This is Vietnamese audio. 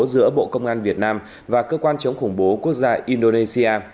giữa bộ công an việt nam và cơ quan chống khủng bố quốc gia indonesia